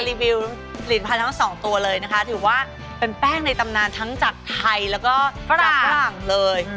รีวิวกลิ่นภัณฑ์ทั้ง๒ตัวเลยนะคะถือว่าเป็นแป้งในตำนานทั้งจากไทยแล้วก็ฝรั่งเลย